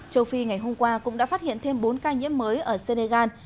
châu phi ngày hôm qua cũng đã phát hiện thêm bốn ca nhiễm mới ở senegal